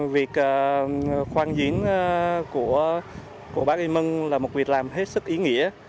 việc khoan diễn của bác y mân là một việc làm hết sức ý nghĩa